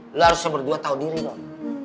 lu harus seberdua tahu diri dong